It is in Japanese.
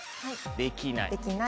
「できない」。